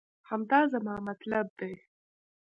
همدا زما مطلب دی